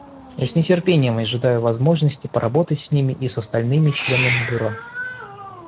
Я с нетерпением ожидаю возможности поработать с ними и с остальными членами Бюро.